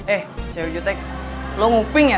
eh cewe jutek lo nguping ya